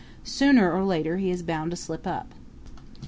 Sooner or later he is bound to slip up.